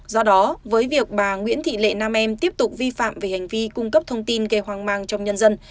do đó với việc bà nguyễn thị lệ nam em tiếp tục vi phạm về hành vi cung cấp thông tin gây hoang mang trong nhân dân